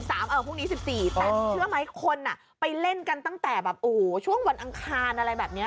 แต่เชื่อไหมคนไปเล่นกันตั้งแต่ช่วงวันอังคารอะไรแบบนี้